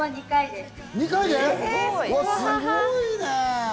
すごいね！